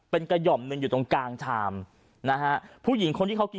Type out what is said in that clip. เป็นกระหย่อมหนึ่งอยู่ตรงกลางชามนะฮะผู้หญิงคนที่เขากิน